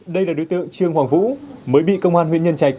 đây là đối tượng trương hoàng vũ mới bị công an huyện nhân trạch